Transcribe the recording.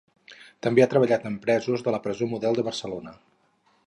També ha treballat amb presos de la Presó Model de Barcelona.